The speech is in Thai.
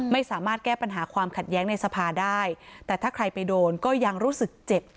ไม่สามารถแก้ปัญหาความขัดแย้งในสภาได้แต่ถ้าใครไปโดนก็ยังรู้สึกเจ็บ